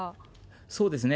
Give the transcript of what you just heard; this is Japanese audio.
そうですね。